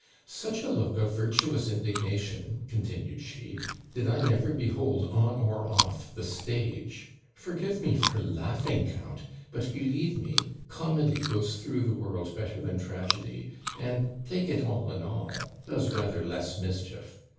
'Such a look of virtuous indignation,' continued she, 'did I never behold, on or off the stage. Forgive me for laughing, count; but, believe me, comedy goes through the world better than tragedy, and, take it all in all, does rather less mischief.